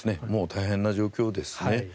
大変な状況ですね。